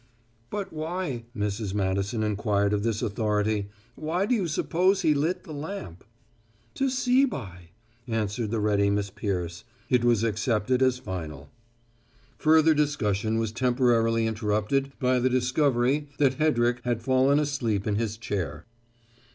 "But why," Mrs. Madison inquired of this authority, "why do you suppose he lit the lamp?" "To see by," answered the ready Miss Peirce. It was accepted as final. Further discussion was temporarily interrupted by the discovery that Hedrick had fallen asleep in his chair.